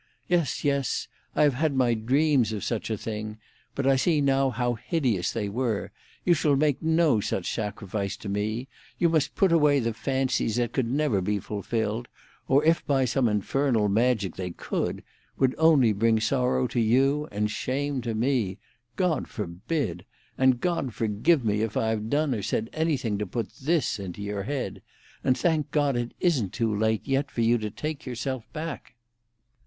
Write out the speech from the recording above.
Yes, yes; I have had my dreams of such a thing; but I see now how hideous they were. You shall make no such sacrifice to me. You must put away the fancies that could never be fulfilled, or if by some infernal magic they could, would only bring sorrow to you and shame to me. God forbid! And God forgive me, if I have done or said anything to put this in your head! And thank God it isn't too late yet for you to take yourself back."